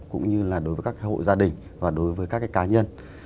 cũng như là đối với các cái hội gia đình và đối với các cái cá nhân